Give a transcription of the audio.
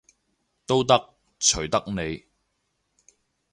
都得，隨得你